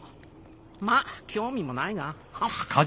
まあ興味もないが。